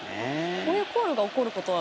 こういうコールが起こることは？